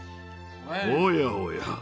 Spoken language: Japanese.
おやおや